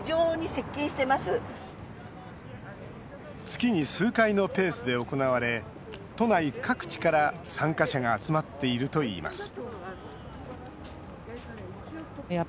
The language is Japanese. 月に数回のペースで行われ都内各地から参加者が集まっているといいます